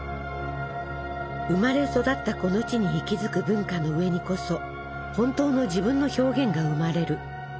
生まれ育ったこの地に息づく文化の上にこそ本当の自分の表現が生まれる。